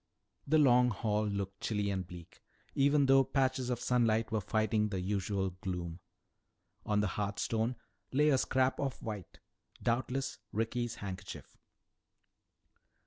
The Long Hall looked chilly and bleak, even though patches of sunlight were fighting the usual gloom. On the hearth stone lay a scrap of white, doubtless Ricky's handkerchief.